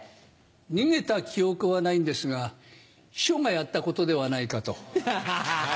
逃げた記憶はないんですが秘書がやったことではないかと。